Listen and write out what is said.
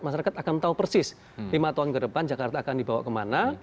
masyarakat akan tahu persis lima tahun ke depan jakarta akan dibawa kemana